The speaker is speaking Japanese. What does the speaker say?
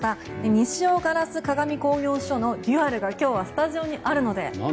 西尾硝子鏡工業所のＤＵＡＬが今日はスタジオにあるので。